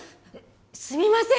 すみません